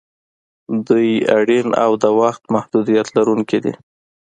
دوی اړین او د وخت محدودیت لرونکي دي.